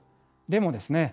でもですね